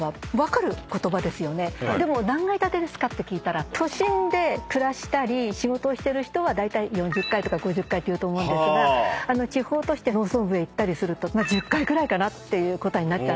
でも何階建てですか？って聞いたら都心で暮らしたり仕事をしている人は４０階とか５０階って言うと思うんですが地方農村部へ行ったりすると１０階ぐらいかなっていう答えに。